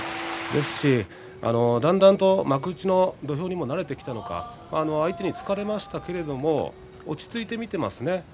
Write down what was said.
あとだんだんと幕内の土俵にも慣れてきたのか相手に突かれましたけれど落ち着いて見ていますね。